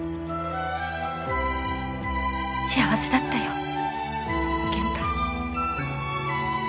幸せだったよ健太。